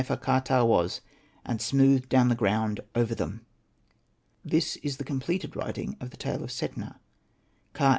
nefer.ka.ptah was, and smoothed down the ground over them. This is the completed writing of the tale of Setna Kha.